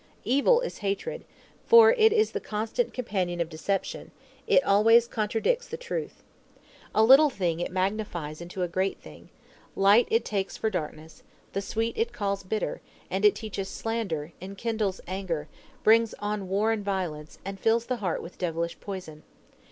Evil is hatred, for it is the constant companion of deception, it always contradicts the truth. A little thing it magnifies into a great thing, light it takes for darkness, the sweet it calls bitter, and it teaches slander, enkindles anger, brings on war and violence, and fills the heart with devilish poison.